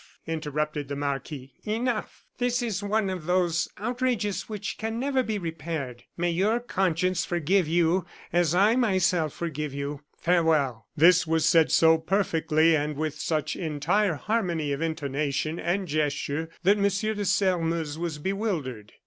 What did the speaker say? interrupted the marquis; "enough! This is one of those outrages which can never be repaired. May your conscience forgive you, as I, myself, forgive you. Farewell!" This was said so perfectly, with such entire harmony of intonation and gesture, that M. de Sairmeuse was bewildered.